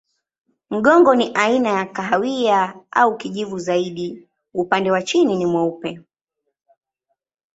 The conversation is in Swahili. Mgongo ni aina ya kahawia au kijivu zaidi, upande wa chini ni mweupe.